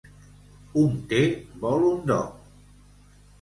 Un té vol un do.